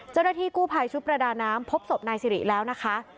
เจ้าหน้าที่กู้ภัยชุดประดาน้ำพบศพนายสิริแล้วนะคะ